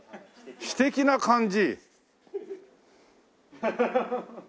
知的な感じ？